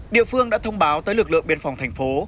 địa phương đã thông báo tới lực lượng biên phòng thành phố